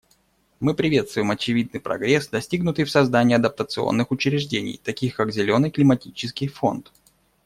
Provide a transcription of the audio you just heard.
Мы приветствуем очевидный прогресс, достигнутый в создании адаптационных учреждений, таких как Зеленый климатический фонд.